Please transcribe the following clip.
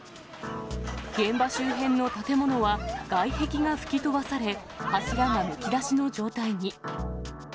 現場周辺の建物は外壁が吹き飛ばされ、柱がむき出しの状態に。